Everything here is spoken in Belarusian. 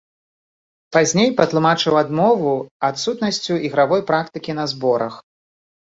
Пазней патлумачыў адмову адсутнасцю ігравой практыкі на зборах.